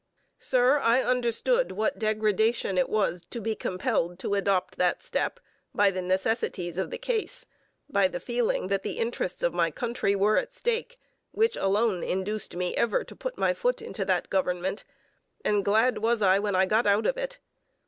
] Sir, I understood what degradation it was to be compelled to adopt that step by the necessities of the case, by the feeling that the interests of my country were at stake, which alone induced me ever to put my foot into that government; and glad was I when I got out of it.